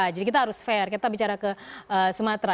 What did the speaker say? kita harus fair kita bicara ke sumatera